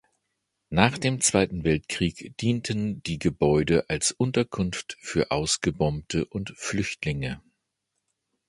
Nach dem Zweiten Weltkrieg dienten die Gebäude als Unterkunft für Ausgebombte und Flüchtlinge.